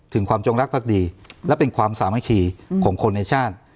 ถึงความจงรักภักดีและเป็นความสามัคคีของคนในชาติ